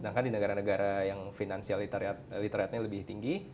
sedangkan di negara negara yang finansial literatenya lebih tinggi